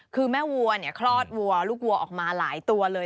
คือแม่วัวเนี่ยคลอดวัวลูกวัวออกมาหลายตัวเลย